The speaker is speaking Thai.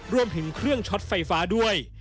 รวมถึงเครื่องช็อตไฟฟ้าด้วย